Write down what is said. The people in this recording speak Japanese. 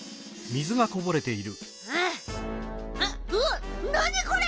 うわっなにこれ！